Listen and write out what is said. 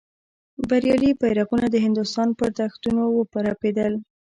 بریالي بیرغونه د هندوستان پر دښتونو ورپېدل.